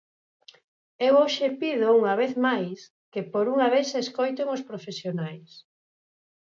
Eu hoxe pido, unha vez máis, que por unha vez se escoiten os profesionais.